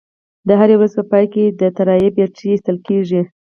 د هرې ورځې په پای کې د الوتکې بیټرۍ ایستل کیږي